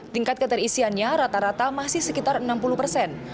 tingkat keterisiannya rata rata masih sekitar enam puluh persen